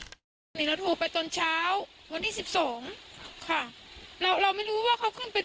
จุดจู่รุ่นไม่ครูมันก็ไปผูและก็ปรากฏอยู่เหมือนกัน